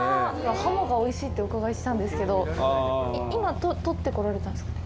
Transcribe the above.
ハモがおいしいってお伺いしたんですけど今、取ってこられたんですか？